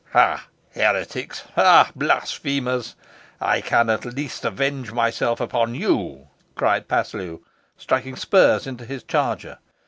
"Ha, heretics! ha, blasphemers! I can at least avenge myself upon you," cried Paslew, striking spurs into his charger.